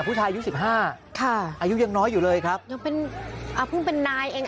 ผู้ชายอายุ๑๕อายุยังน้อยอยู่เลยครับค่ะค่ะยังเป็นพึ่งเป็นนายเอง